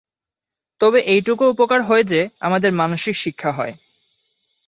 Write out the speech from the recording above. তবে এইটুকু উপকার হয় যে, আমাদের মানসিক শিক্ষা হয়।